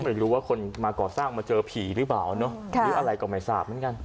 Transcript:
ไม่รู้ว่าคนมาก่อสร้างมาเจอผีหรือเปล่าเนอะหรืออะไรก็ไม่ทราบเหมือนกัน